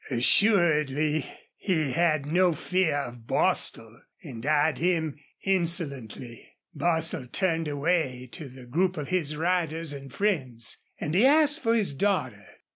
Assuredly he had no fear of Bostil and eyed him insolently. Bostil turned away to the group of his riders and friends, and he asked for his daughter.